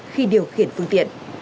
khi điều khiển phương tiện